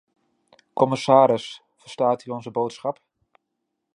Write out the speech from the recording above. Commissaris, verstaat u onze boodschap.